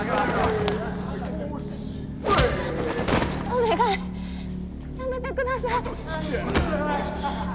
お願いやめてください。